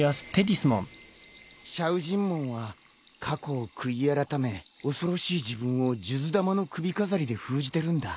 シャウジンモンは過去を悔い改め恐ろしい自分を数珠玉の首飾りで封じてるんだ。